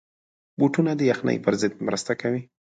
بوټونه د یخنۍ پر ضد مرسته کوي.